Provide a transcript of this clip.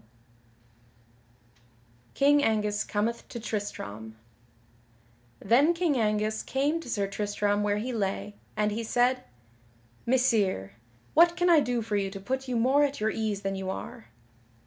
[Sidenote: King Angus cometh to Tristram] Then King Angus came to Sir Tristram where he lay, and he said: "Messire what can I do for you to put you more at your ease than you are?"